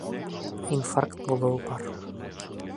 Инфаркт булыуы бар.